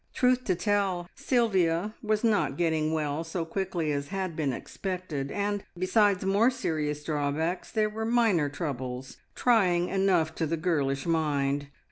Truth to tell, Sylvia was not getting well so quickly as had been expected, and besides more serious drawbacks there were minor troubles, trying enough to the girlish mind.